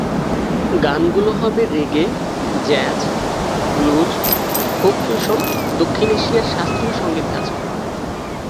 গানগুলো হবে reggae, jazz, blues, folk fusion, দক্ষিণ এশিয়ার শাস্ত্রীয় সঙ্গীত ধাঁচের।